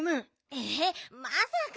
えっまさか。